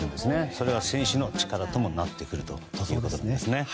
それは選手の力ともなってくるということですね。